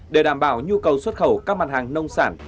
để đảm bảo nhu cầu xuất khẩu các mặt hàng nông sản